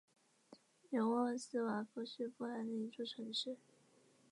米沃斯瓦夫是波兰的一座城市。